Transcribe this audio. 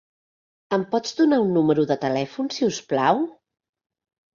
Em pots donar un número de telèfon, si us plau?